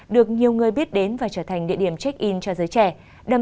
được nhiều người biết đến và trở thành địa điểm check in cho giới trẻ